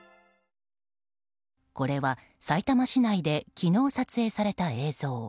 これはさいたま市内で昨日、撮影された映像。